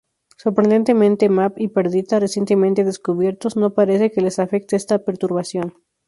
Sorprendentemente, Mab y Perdita, recientemente descubiertos, no parece que les afecte esta perturbación.